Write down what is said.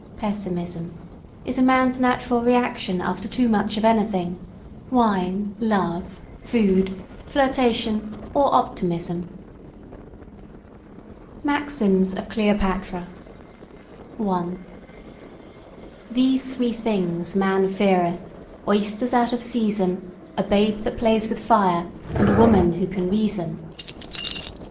PESSIMISM IS A MAN'S NATURAL REACTION AFTER TOO MUCH OF ANYTHING WINE, LOVE, FOOD, FLIRTATION OR OPTIMISM MAXIMS OF CLEOPATRA 1 THESE three things Man feareth: Oysters out of season, A Babe that plays with fire, and a Woman who can reason!